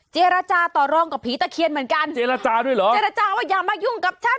เจรจาต่อรองกับผีตะเคียนเหมือนกันเจรจาด้วยเหรอเจรจาว่าอย่ามายุ่งกับฉัน